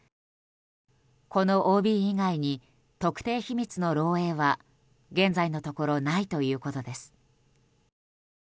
このＯＢ以外に特定秘密の漏洩は現在のところないということです。